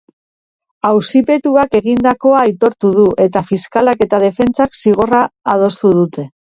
Auzipetuak egindakoa aitortu du eta fiskalak eta defentsak zigorra adostu dute.